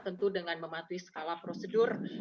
tentu dengan mematuhi skala prosedur